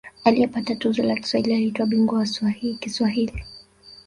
Aliyepata tuzo la Kiswahili aliitwa ‘Bingwa wa Kiswahili’.